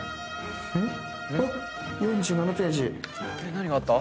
「何があった？」